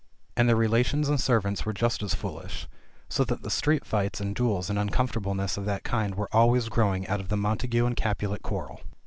And their relations and servants were just as foolish, so that street fights and duels and uncomfortablenesses of that kind were always grow ing out of the Montagu and Capulet quarrel.